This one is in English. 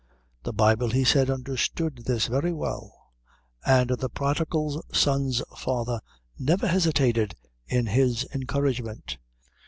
The Bible, he said, understood this very well, and the Prodigal Son's father never hesitated in his encouragement.